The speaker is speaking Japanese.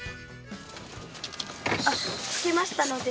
着きましたので。